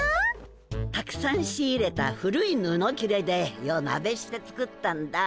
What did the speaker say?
たくさん仕入れた古いぬのきれで夜なべして作ったんだ。